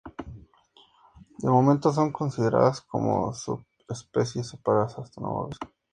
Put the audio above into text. De momento son consideradas como subespecies separadas hasta nuevo aviso.